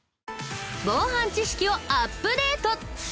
防犯知識をアップデート。